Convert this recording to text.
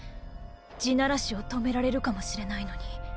「地鳴らし」を止められるかもしれないのに？